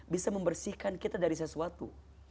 bisa membersihkan kita dari sesuatu